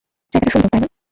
জায়গাটা সুন্দর, তাই না?